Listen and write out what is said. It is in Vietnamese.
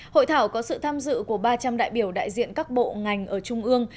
hội thảo có sự tham dự của ba trăm linh đại biểu đại diện các bộ ngành ở trung ương